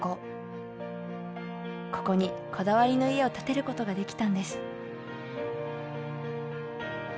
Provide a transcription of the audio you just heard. ここにこだわりの家を建てることができたんです。